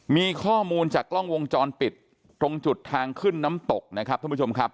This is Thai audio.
มีข้อมูลจากกล้องวงจรปิดตรงจุดทางขึ้นน้ำตกนะครับท่านผู้ชมครับ